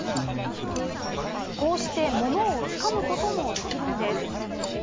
こうしてものをつかむこともできるんです。